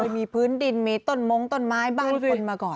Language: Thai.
มีพื้นดินมีต้นมงต้นไม้บ้านคนมาก่อน